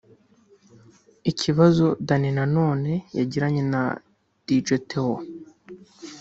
Ikibazo Danny Nanone yagiranye na Dj Theo